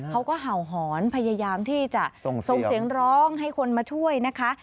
เขาก็เห่าหอนพยายามที่จะส่งเสียงร้องให้คนมาช่วยนะคะ